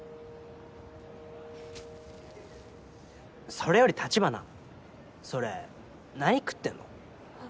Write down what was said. それより橘それ何食ってんの？